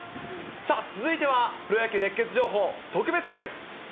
さあ、続いてはプロ野球熱ケツ情報特別編。